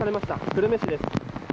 久留米市です。